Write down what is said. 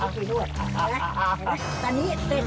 อ้าวถึงได้ชิวิตีนวดถูกไหม